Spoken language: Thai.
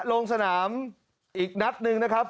ลงสนามอีกนัดหนึ่งนะครับ